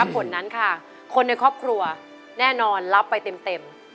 ของในครอบครัวแน่นอนรับไปเต็ม